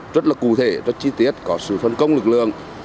rất là cụ thể rất chi tiết có sự phân công lực lượng